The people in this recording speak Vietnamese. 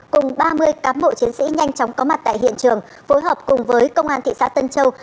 cùng ba mươi cán bộ chiến sĩ nhanh chóng có mặt tại hiện trường phối hợp cùng với công an thị xã tân châu